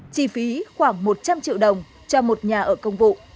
chi phí khoảng một trăm linh triệu đồng cho một nhà ở công vụ